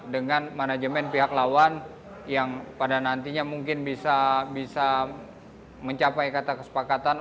dengan manajemen pihak lawan yang pada nantinya mungkin bisa mencapai kata kesepakatan